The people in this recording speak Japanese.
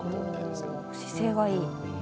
姿勢はいい。